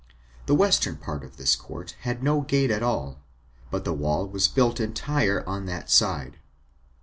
The western part of this court had no gate at all, but the wall was built entire on that side.